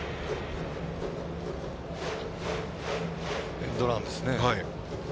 エンドランですね。